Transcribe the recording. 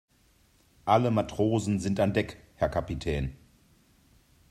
Alle Matrosen sind an Deck, Herr Kapitän.